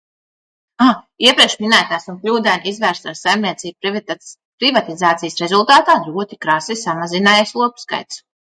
Iepriekšminētās un kļūdaini izvērstās saimniecību privatizācijas rezultātā ļoti krasi ir samazinājies lopu skaits.